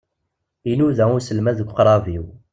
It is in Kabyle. Inuda uselmad deg uqrab-iw.